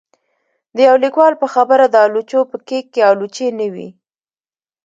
د يو ليکوال په خبره د آلوچو په کېک کې آلوچې نه وې